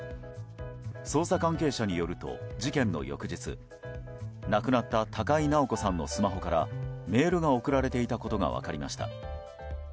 捜査関係者によると、事件の翌日亡くなった高井直子さんのスマホからメールが送られていたことが分かりました。